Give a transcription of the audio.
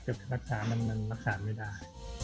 รักษามันรักษาไม่ได้